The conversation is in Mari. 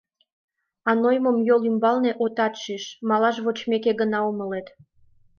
А нойымым йол ӱмбалне отат шиж, малаш вочмеке гына умылет.